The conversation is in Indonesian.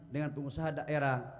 dengan pengusaha daerah